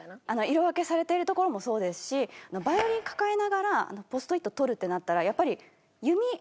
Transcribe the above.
色分けされてるところもそうですしヴァイオリン抱えながらポストイット取るってなったらやっぱり弓